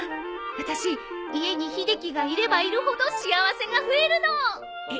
私家に秀樹がいればいるほど幸せが増えるの。え